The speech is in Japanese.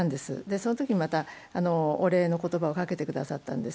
そのときにまたお礼の言葉をかけてくださったんです。